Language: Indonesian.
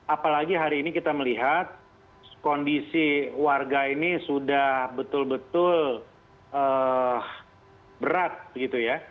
apalagi hari ini kita melihat kondisi warga ini sudah betul betul berat begitu ya